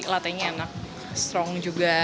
latenya enak strong juga